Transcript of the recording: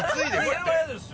これは嫌ですよ。